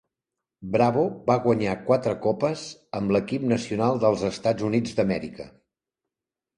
Bravo va guanyar quatre copes amb l'equip nacional dels Estats Units d'Amèrica.